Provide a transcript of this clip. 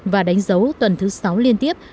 và đánh dấu tuần thứ sáu liên tiếp